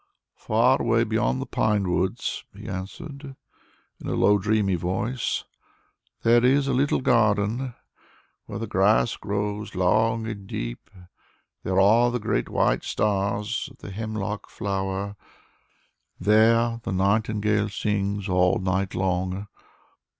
"Far away beyond the pinewoods," he answered, in a low, dreamy voice, "there is a little garden. There the grass grows long and deep, there are the great white stars of the hemlock flower, there the nightingale sings all night long.